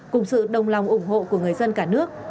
cùng sự đồng lòng ủng hộ của người dân cả nước